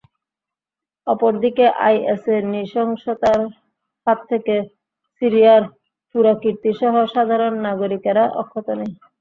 অপর দিকে আইএসের নৃশংসতারহাত থেকে সিরিয়ার পুরাকীর্তিসহ সাধারণ নারগরিকেরা অক্ষত নেই।